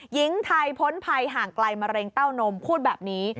หญิงไทยพ้นภัยห่างไกลมะเร็งเต้านมพูดแบบนี้